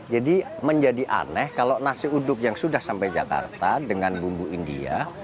jadi menjadi aneh kalau nasi uduk yang sudah sampai jakarta dengan bumbu india